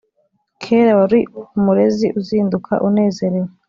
Kera wari umurezi Uzinduka unezerewe